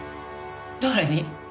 誰に？